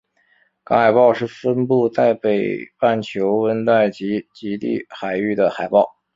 港海豹是分布在北半球温带及极地海域的海豹。